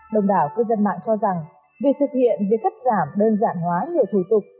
đồng đảo cư dân mạng cho rằng việc thực hiện việc cắt giảm đơn giản hóa nhiều thủ tục